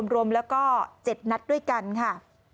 รวมแล้วก็๗นัดด้วยกันค่ะ